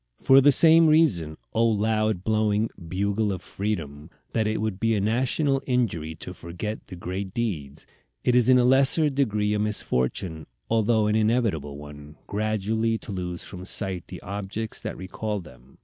For the same reason, O loud blowing Bugle of Freedom, that it would be a national injury to forget the great deeds, it is in a lesser degree a misfortune, although an inevitable one, gradually to lose from sight the objects that recall them.